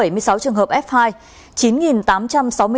chín tám trăm sáu mươi bốn mẫu tại các địa điểm